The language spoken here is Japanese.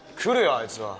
あいつは。